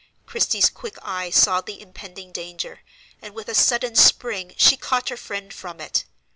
Christie's quick eye saw the impending danger, and with a sudden spring she caught her friend from it.